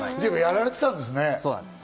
やられていたんですね。